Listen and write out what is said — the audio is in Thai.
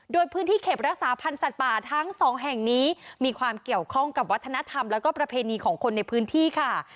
โดยพื้นที่เข็บรักษาพันธ์สัตว์ป่าทั้งสองแห่งนี้มีความเกี่ยวข้องกับวัฒนธรรมแล้วก็ประเพณีของคนในพื้นที่ค่ะ